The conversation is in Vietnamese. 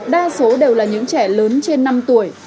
đa số đều là những trẻ lớn trên năm tuổi